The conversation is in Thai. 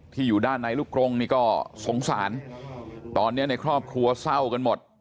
อยู่ด้านในลูกกรงนี่ก็สงสารตอนนี้ในครอบครัวเศร้ากันหมด